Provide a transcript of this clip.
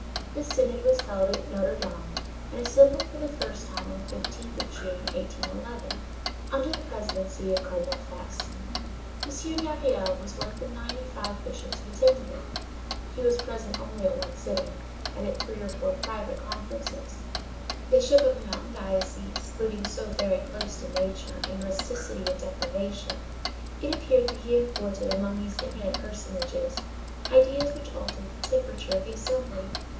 This synod was held at Notre Dame, and assembled for the first time on the 15th of June, 1811, under the presidency of Cardinal Fesch. M. Myriel was one of the ninety five bishops who attended it. But he was present only at one sitting and at three or four private conferences. Bishop of a mountain diocese, living so very close to nature, in rusticity and deprivation, it appeared that he imported among these eminent personages, ideas which altered the temperature of the assembly.